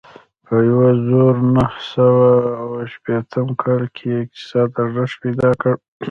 په یوه زرو نهه سوه اوه شپېتم کال کې یې اقتصاد ارزښت پیدا کړ.